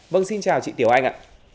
vâng xin chào chị tiểu anh ạ